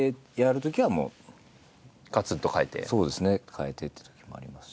変えてっていうときもありますし。